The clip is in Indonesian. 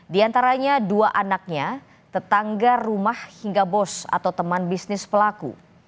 di antaranya dua anaknya tetangga rumah hingga bos atau teman bisnis pelaku